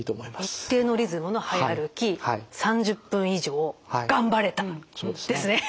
「一定のリズムの早歩き３０分以上頑張れた」ですね。